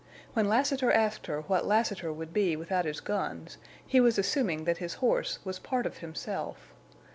When Lassiter asked her what Lassiter would be without his guns he was assuming that his horse was part of himself.